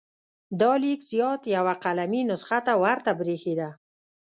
دا لیک زیات یوه قلمي نسخه ته ورته بریښېده.